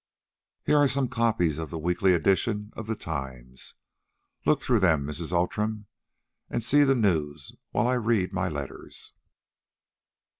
Here are some copies of the weekly edition of the 'Times'; look through them, Mrs. Outram, and see the news while I read my letters."